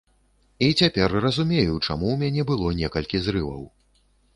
І цяпер разумею, чаму ў мяне было некалькі зрываў.